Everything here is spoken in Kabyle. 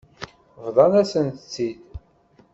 Bḍan-asent-tt-id.